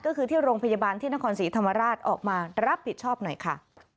ก็คือที่โรงพยาบาลที่นครศรีธรรมราชออกมารับผิดชอบหน่อยค่ะ